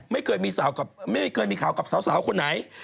ไม่เคยมีข่าวกับสาวคนไหน